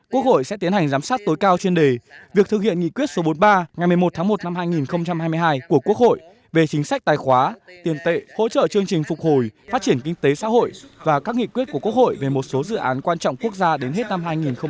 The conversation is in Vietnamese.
quốc hội sẽ tiến hành giám sát tối cao chuyên đề việc thực hiện nghị quyết số bốn mươi ba ngày một mươi một tháng một năm hai nghìn hai mươi hai của quốc hội về chính sách tài khóa tiền tệ hỗ trợ chương trình phục hồi phát triển kinh tế xã hội và các nghị quyết của quốc hội về một số dự án quan trọng quốc gia đến hết năm hai nghìn hai mươi